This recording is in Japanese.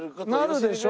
なるでしょ？